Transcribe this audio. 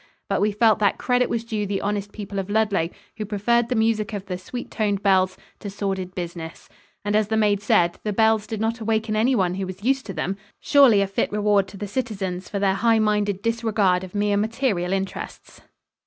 But we felt that credit was due the honest people of Ludlow, who preferred the music of the sweet toned bells to sordid business; and, as the maid said, the bells did not awaken anyone who was used to them surely a fit reward to the citizens for their high minded disregard of mere material interests.